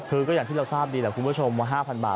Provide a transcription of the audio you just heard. คือก็อย่างที่เราทราบดีแหละคุณผู้ชมว่า๕๐๐บาท